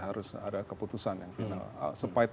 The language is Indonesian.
harus ada keputusan yang final supaya